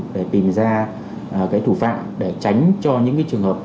để tìm ra cái thủ phạm để tránh cho những trường hợp